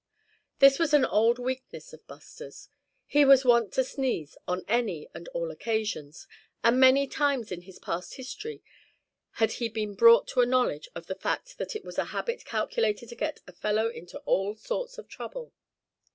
This was an old weakness of Buster's. He was wont to sneeze on any and all occasions, and many times in his past history had he been brought to a knowledge of the fact that it was a habit calculated to get a fellow into all sorts of trouble.